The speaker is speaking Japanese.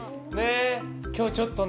今日、ちょっとね